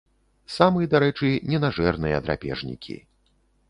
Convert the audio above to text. Самы, дарэчы, ненажэрныя драпежнікі.